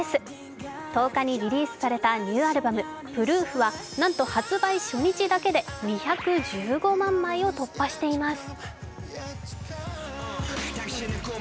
１０日にリリースされたニューアルバム、「Ｐｒｏｏｆ」はなんと、発売初日だけで２１５万枚を突破しています。